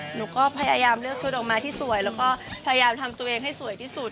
หนูก็พยายามเลือกชุดออกมาที่สวยแล้วก็พยายามทำตัวเองให้สวยที่สุด